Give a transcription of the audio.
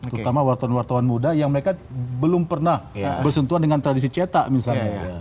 terutama wartawan wartawan muda yang mereka belum pernah bersentuhan dengan tradisi cetak misalnya